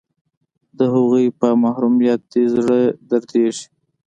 د هغوی په محرومیت دې زړه دردیږي